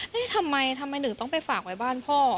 ทำไมทำไมหนึ่งต้องไปฝากไว้บ้านพ่อ